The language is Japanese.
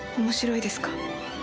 面白いですか？